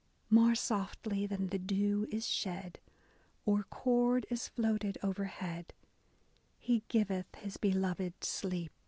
More softly than the dew is shed, Or chord is floated overhead, He giveth His beloved sleep.